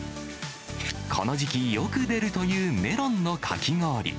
この時期、よく出るというメロンのかき氷。